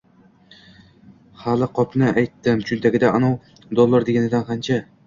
Hali qopini aytdim, cho`ntagida anov do`llur deganidan qancha